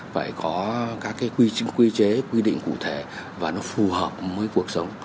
phải có các cái quy chế quy định cụ thể và nó phù hợp với cuộc sống